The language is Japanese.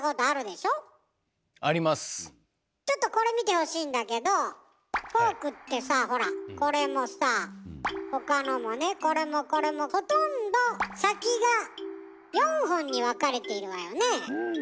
ちょっとこれ見てほしいんだけどフォークってさほらこれもさ他のもねこれもこれもほとんどうん！